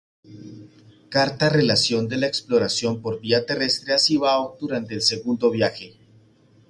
Carta-relación de la exploración por vía terrestre a Cibao durante el Segundo Viaje.